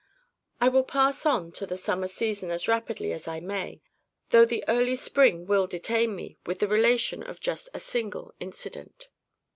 I will pass on to the summer season as rapidly as I may, though the early spring will detain me with the relation of just a single incident.